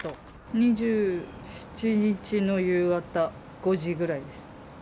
２７日の夕方５時ぐらいです。